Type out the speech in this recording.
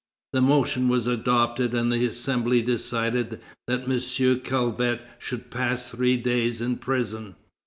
The motion was adopted, and the Assembly decided that M. Calvet should pass three days in prison.